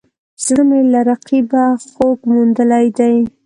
زړه مې له رقیبه خوږ موندلی دی